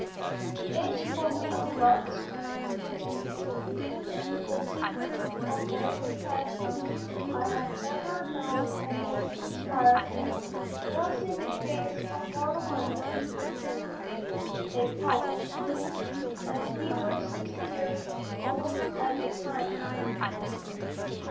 "The age for being loved?" he continued. "The deepest of all the passions I have ever known a man to inspire was in the case of one of my masters, a poet, and he was sixty years old at the time.